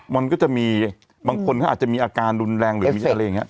มันก็จะมีบางคนเขาอาจจะมีอาการรุนแรงหรือมีอะไรอย่างนี้